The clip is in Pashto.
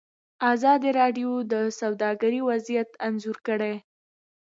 ازادي راډیو د سوداګري وضعیت انځور کړی.